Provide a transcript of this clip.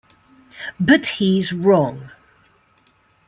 But he's wrong.